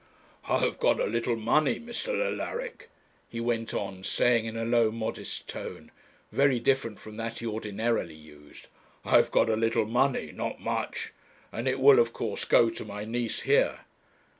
'I have got a little money, Mr. Alaric,' he went on saying in a low modest tone, very different from that he ordinarily used; 'I have got a little money not much and it will of course go to my niece here.'